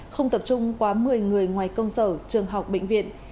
không tập trung quá một mươi người ngoài công sở trường học bệnh viện